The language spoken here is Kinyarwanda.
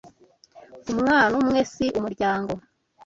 Umwana umwe si umuryango